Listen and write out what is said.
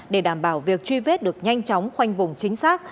để đảm bảo việc truy vết được nhanh chóng khoanh vùng chính xác